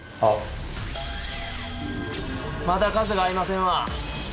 また数が合いませんわ